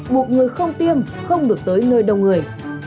buộc người không tiêm không được tới nơi đông người